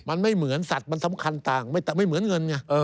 มันไม่เหมือนสัตว์มันสำคัญต่างไม่เหมือนเงินไง